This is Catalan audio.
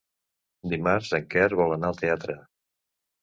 Dimarts en Quer vol anar al teatre.